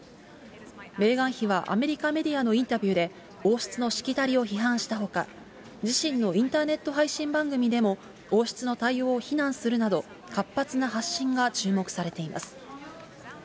メーガン妃はアメリカメディアのインタビューで、王室のしきたりを批判したほか、自身のインターネット配信番組でも、王室の対応を非難するなど、活発な発信が注目されています。